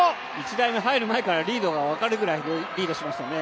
１台目入る前からリードが分かるぐらいリードしてますね。